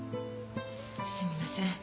すみません。